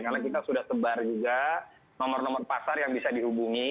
karena kita sudah sebar juga nomor nomor pasar yang bisa dihubungi